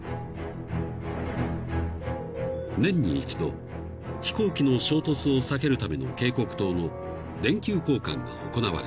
［年に一度飛行機の衝突を避けるための警告灯の電球交換が行われる］